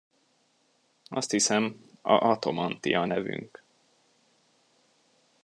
Azt hiszem, a Atom Anti a nevünk.